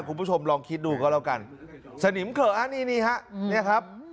คุณผู้ชมลองคิดดูก็แล้วกันสนิมเขินนี่ฮะเนี่ยครับ